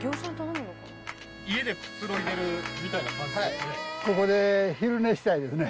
家で、くつろいでるみたいな感じですね？